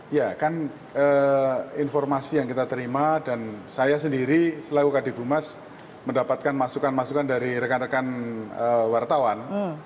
ya kan informasi yang kita terima dan saya sendiri selalu kadifumas mendapatkan masukan masukan dari rekan rekan wartawan